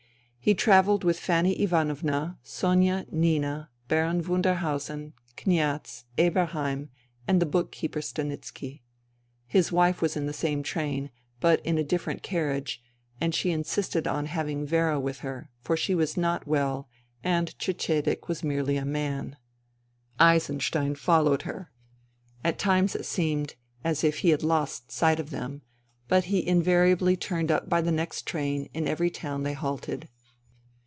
He travelled with Fanny Ivanovna, Sonia, Nina, Baron Wunderhausen, Kniaz, Eberheim and the book keeper Stanitski. His wife was in the same train, but in a different carriage, and she insisted on having Vera with her, for she was not well, and Cecedek was merely a man. Eisenstein followed her. At times it seemed as if he had lost sight of them ; but he invariably turned up by the next train in every town they halted.